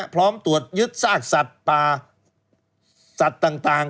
พร้อมตรวจยึดซากสัตว์ป่าสัตว์ต่าง